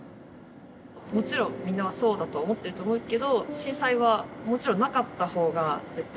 もちろんみんなはそうだと思ってると思うけど震災はもちろんなかった方が絶対によかった。